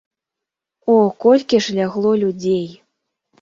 О, колькі ж лягло людзей!